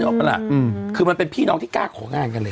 นึกออกปะละอืมคือมันเป็นพี่น้องที่กล้าของงานกันเลย